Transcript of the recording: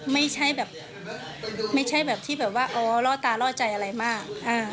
ไม่ใช่แบบไม่ใช่แบบที่แบบว่าอ๋อล่อตาล่อใจอะไรมาก